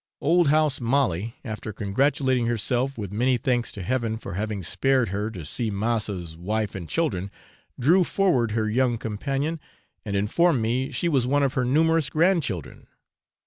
Old house Molly, after congratulating herself, with many thanks to heaven, for having spared her to see 'massa's' wife and children, drew forward her young companion, and informed me she was one of her numerous grandchildren.